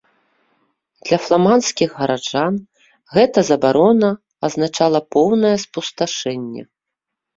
Для фламандскіх гараджан гэта забарона азначала поўнае спусташэнне.